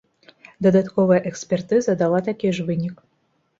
Дадатковая экспертыза дала такі ж вынік.